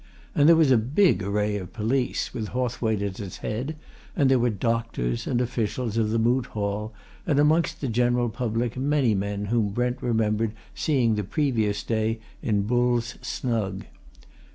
And there was a big array of police, with Hawthwaite at its head, and there were doctors, and officials of the Moot Hall, and, amongst the general public, many men whom Brent remembered seeing the previous day in Bull's Snug.